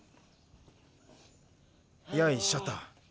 よいしょっと。